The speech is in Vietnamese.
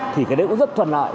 thì cái đấy cũng rất thuần lợi